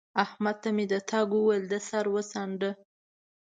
احمد ته مې د تګ وويل؛ ده سر وڅانډه